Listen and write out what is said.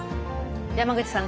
山口さん